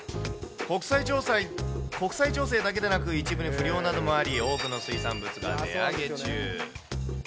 国際情勢だけでなく、一部で不漁などもあり、多くの水産物が値上げ中。